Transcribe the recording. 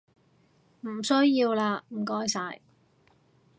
唔需要喇唔該晒